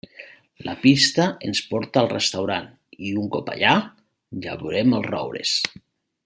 La pista ens porta al restaurant i, un cop allà, ja veurem els roures.